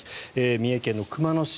三重県熊野市